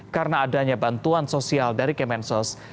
karena adanya bantuan sosial dari kemensos